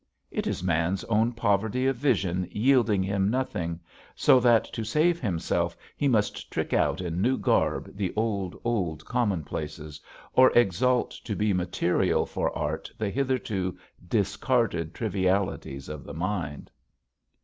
It is man's own poverty of vision yielding him nothing, so that to save himself he must trick out in new garb the old, old commonplaces, or exalt to be material for art the hitherto discarded trivialities of the mind.